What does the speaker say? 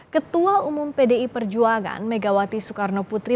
ketua umum pdi perjuangan megawati soekarno putri